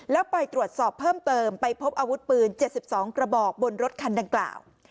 แล้วไปตรวจสอบเพิ่มเติมไปพบอาวุธปืน๗๒กระบอกบนรถคันดังกล่าว